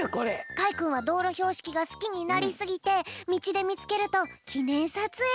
かいくんはどうろひょうしきがすきになりすぎてみちでみつけるときねんさつえいしてるんだって。